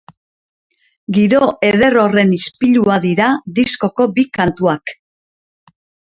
Giro eder horren ispilua dira diskoko bi kantuak.